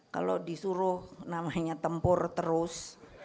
kalau disuruh namanya tempur terus